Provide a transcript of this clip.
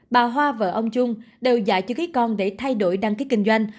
bà hoa vợ ông trung đều dạy cho khí con để thay đổi đăng ký kinh doanh